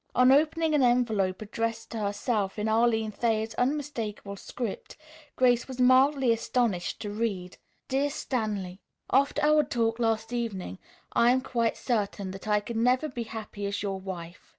On opening an envelope addressed to herself in Arline Thayer's unmistakable script, Grace was mildly astonished to read: "DEAR STANLEY: "After our talk last evening I am quite certain that I could never be happy as your wife.